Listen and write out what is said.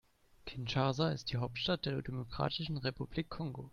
Kinshasa ist die Hauptstadt der Demokratischen Republik Kongo.